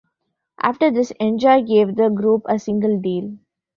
After this Enjoy gave the group a single deal.